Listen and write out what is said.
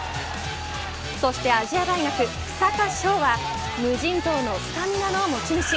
そして亜細亜大学、草加勝は無尽蔵のスタミナの持ち主。